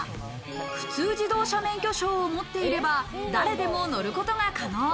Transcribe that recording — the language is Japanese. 普通自動車免許証を持っていれば誰でも乗ることが可能。